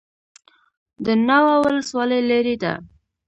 د ناوه ولسوالۍ لیرې ده